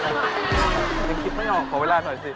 ยังคิดไม่ออกขอเวลาหน่อยสิ